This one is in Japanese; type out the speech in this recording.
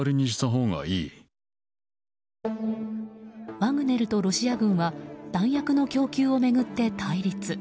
ワグネルとロシア軍は弾薬の供給を巡って対立。